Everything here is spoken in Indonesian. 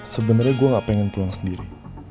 sebenarnya gue gak pengen pulang sendiri